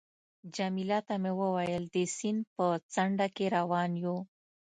جميله ته مې وویل: د سیند په څنډه کې روان یو.